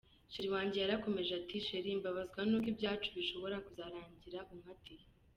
Sheri wanjye yarakomeje ati “Sheri, mbabazwa n’uko ibyacu bishobora kuzarangira unkatiye.